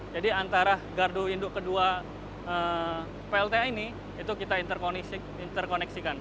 jadi antara gardu induk kedua plta ini itu kita interkoneksikan